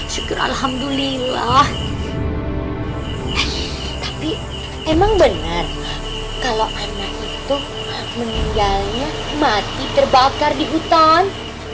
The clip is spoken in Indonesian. sebenarnya mati terbakar di hutan